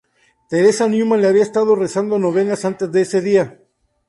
Teresa Neumann le había estado rezando novenas antes de este día.